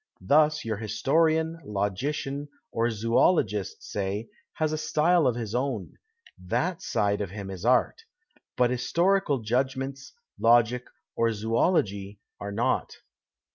Thus your historian, logician, or zoologist, say, has a style of his own ; that side of him is art. But historical judgments, logic, or zoology are not.